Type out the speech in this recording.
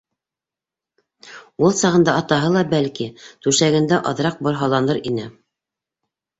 Ул сағында атаһы ла, бәлки, түшәгендә аҙыраҡ борһаланыр ине.